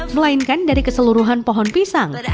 melainkan dari keseluruhan pohon pisang